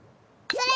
それ！